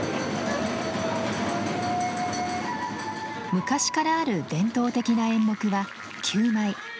昔からある伝統的な演目は旧舞。